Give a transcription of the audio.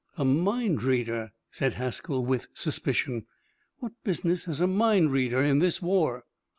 "A mind reader!" said Haskell, with suspicion. "What business has a mind reader in this war?"